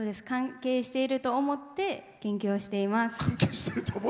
関係していると思って研究をしています。